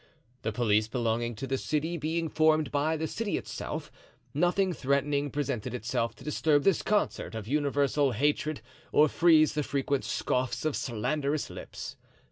The police belonging to the city being formed by the city itself, nothing threatening presented itself to disturb this concert of universal hatred or freeze the frequent scoffs of slanderous lips.